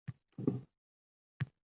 Otam ancha bo`ldi olamdan o`tganiga